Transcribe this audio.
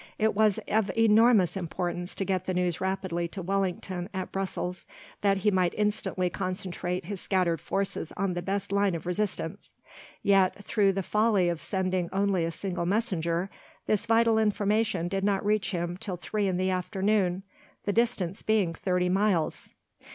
It was of enormous importance to get the news rapidly to Wellington at Brussels that he might instantly concentrate his scattered forces on the best line of resistance—yet, through the folly of sending only a single messenger, this vital information did not reach him until three in the afternoon, the distance being thirty miles.